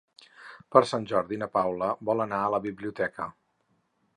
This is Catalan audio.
Per Sant Jordi na Paula vol anar a la biblioteca.